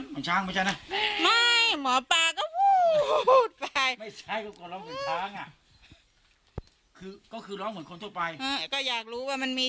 มันช้างไม่ใช่นะ